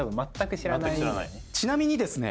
ちなみにですね